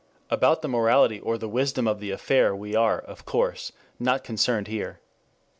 About the morality or the wisdom of the affair we are, of course, not concerned here.